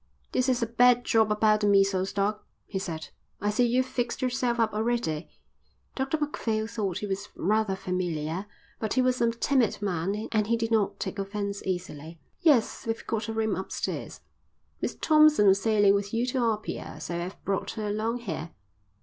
"This is a bad job about the measles, doc," he said. "I see you've fixed yourself up already." Dr Macphail thought he was rather familiar, but he was a timid man and he did not take offence easily. "Yes, we've got a room upstairs." "Miss Thompson was sailing with you to Apia, so I've brought her along here."